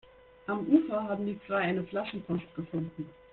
Am Ufer haben die zwei eine Flaschenpost gefunden.